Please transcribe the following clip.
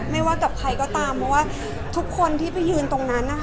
ไม่ว่ากับใครก็ตามเพราะว่าทุกคนที่ไปยืนตรงนั้นนะคะ